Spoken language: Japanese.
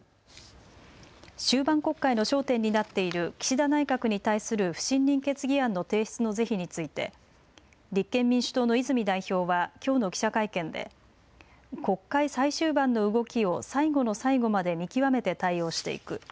終盤国会の焦点になっている岸田内閣に対する不信任決議案の提出の是非について立憲民主党の泉代表はきょうの記者会見で国会最終盤の動きを最後の最後まで見極めて対応していく。